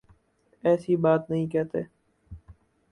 ایسی بات نہیں کہتے